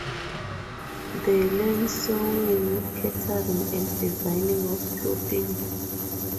They learn sewing, catering and designing of clothing.